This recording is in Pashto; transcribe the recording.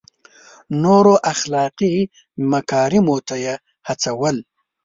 نورو اخلاقي مکارمو ته یې هڅول.